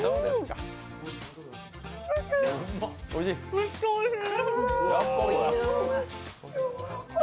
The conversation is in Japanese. めっちゃおいしい。